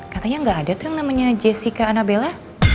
katanya nggak ada tuh yang namanya jessica annabela